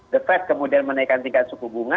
the fed kemudian menaikkan tingkat suku bunga